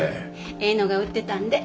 ええのが売ってたんで。